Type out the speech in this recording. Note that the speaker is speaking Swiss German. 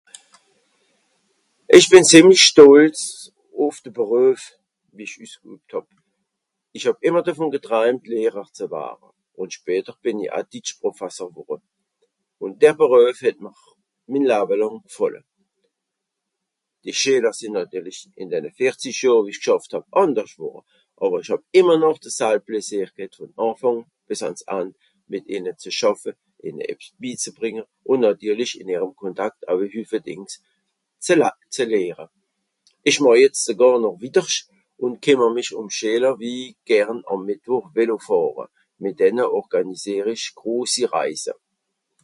Ìch bìn zìemlich stolz ùff de Beruef, wie ich üssgübt hàb. Ìch hàb ìmmer devùn geträumt, Lehrer ze ware. Ùn später bìn i aa Ditschprofasser wùrre. Ùn der Beruef het mr min Lawe làng gfàlle. Die Schìler sìnn nàtirlisch ìn denne vìerzisch Johr, wie ìch gschàfft hàb; àndersch wùrre, àwer ìch hàb ìmmer noch de salb pläsìr ghet, vom Ànfàng bìs àns And, mìt ìhne ze schàffe, ìhne ebbs bizebrìnge ùn nàtirlisch ìn ìhrem Kontakt au e Hüffe Dìngs... ze la... ze lehre. Ìch màch jetz sogàr noch wittersch ùn kìmmer mich ùm Schìler, wie gern àm Mìttwùch Velo fàhre. Mìt denne orgànisìer ìch grosi Reise.